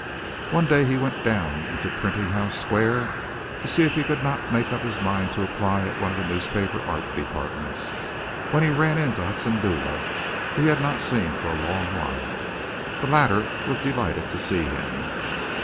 One day he went down into Printing House Square to see if he could not make up his mind to apply at one of the newspaper art departments, when he ran into Hudson Dula whom he had not seen for a long while. The latter was delighted to see him.